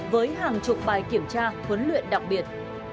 với hàng chục bài kiểm tra huấn luyện đặc biệt